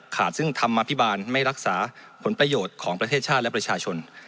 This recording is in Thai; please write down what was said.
ซึ่งธรรมาภิบาลไม่รักษาผลประโยชน์ของประเทศชาติและประชาชน